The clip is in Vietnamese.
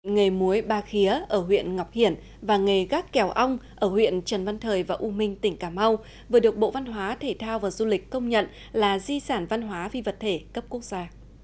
nghề muối ba khía ở huyện ngọc hiển và nghề gác kèo ong ở huyện trần văn thời và u minh tỉnh cà mau vừa được bộ văn hóa thể thao và du lịch công nhận là di sản văn hóa phi vật thể cấp quốc gia